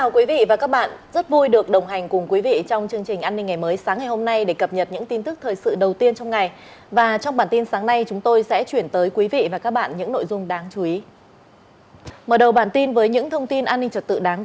các bạn hãy đăng ký kênh để ủng hộ kênh của chúng mình nhé